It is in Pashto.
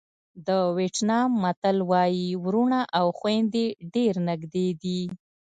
د وېتنام متل وایي وروڼه او خویندې ډېر نږدې دي.